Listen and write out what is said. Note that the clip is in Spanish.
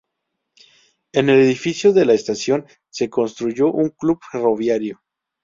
En el edificio de la estación se constituyó un club ferroviario.